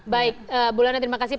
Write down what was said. baik bulana terima kasih